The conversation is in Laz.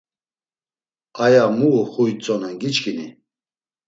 Aya mu uxuitzonen giçkini?